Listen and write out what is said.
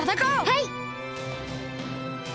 はい！